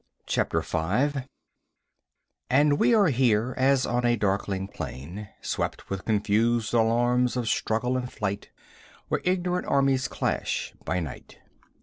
CHAPTER 5 _And we are here as on a darkling plain Swept with confused alarms of struggle and flight, Where ignorant armies clash by night.